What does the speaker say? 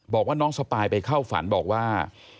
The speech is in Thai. บอกว่าน้องสปายไปเข้าฝันบอกว่า